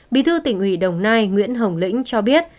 bí thư tỉnh ủy đồng nai nguyễn hồng lĩnh cho biết